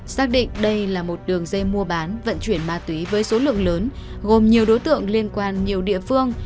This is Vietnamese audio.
xác định đây là một đường dây mua bán vận chuyển ma túy với số lượng lớn gồm nhiều đối tượng liên quan nhiều địa phương